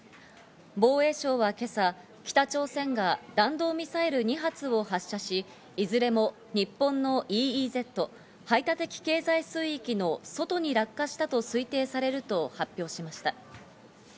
防衛省は今朝、北朝鮮が弾道ミサイル２発を発射し、いずれも日本のＥＥＺ＝排他的経済水域の外に落下したと推定されると発表しました。